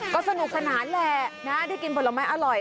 ก็สนุกสนานแหละนะได้กินผลไม้อร่อย